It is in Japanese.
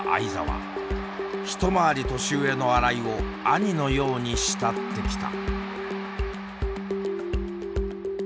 一回り年上の新井を兄のように慕ってきた。